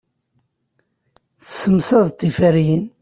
Tessemsadeḍ tiferyin.